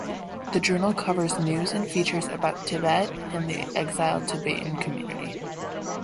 The journal covers news and features about Tibet and the exiled Tibetan community.